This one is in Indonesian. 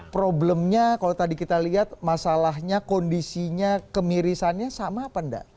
problemnya kalau tadi kita lihat masalahnya kondisinya kemirisannya sama apa enggak